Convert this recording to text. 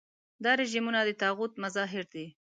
دا رژیمونه د طاغوت مظاهر دي.